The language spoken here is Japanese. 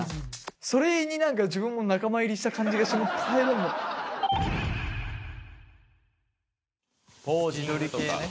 それになんか自分も仲間入りした感じがして耐えらんねえ。